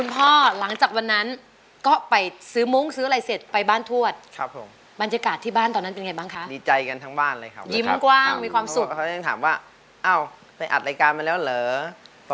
ไปให้น้องไปร้องเพลงค่ะก็ได้ทริปมาอะไรอย่างเงี้ยครับ